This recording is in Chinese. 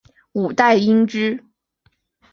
五代因之。